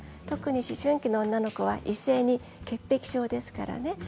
特に思春期の女の子は異性に潔癖症ですからね。